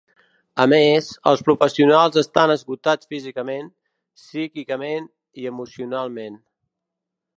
A més, els professionals estan esgotats físicament, psíquicament i emocionalment.